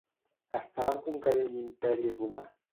Estaven conquerint l'Imperi romà?